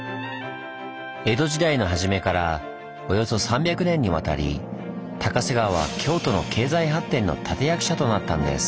江戸時代の初めからおよそ３００年にわたり高瀬川は京都の経済発展の立て役者となったんです。